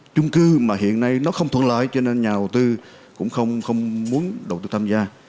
chung cư mà hiện nay nó không thuận lợi cho nên nhà đầu tư cũng không muốn đầu tư tham gia